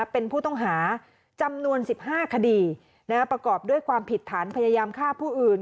เป็นผู้ต้องหาจำนวน๑๕คดีประกอบด้วยความผิดฐานพยายามฆ่าผู้อื่น